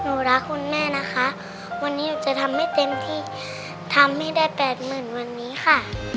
รักคุณแม่นะคะวันนี้หนูจะทำให้เต็มที่ทำให้ได้แปดหมื่นวันนี้ค่ะ